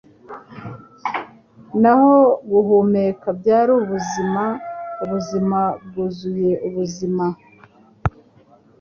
Nkaho guhumeka byari ubuzima! Ubuzima bwuzuye ubuzima